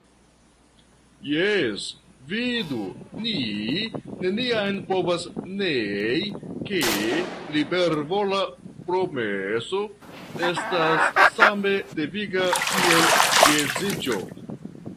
Jes vidu, ni neniam povas nei ke libervola promeso estas same deviga kiel geedziĝo.